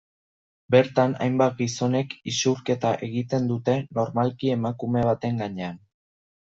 Bertan hainbat gizonek isurketa egiten dute normalki emakume baten gainean.